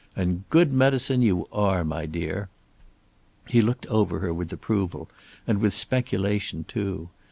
And good medicine you are, my dear." He looked her over with approval, and with speculation, too.